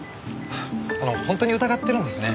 あの本当に疑ってるんですね。